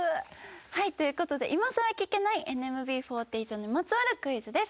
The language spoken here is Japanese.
はいということで今さら聞けないＮＭＢ４８にまつわるクイズです。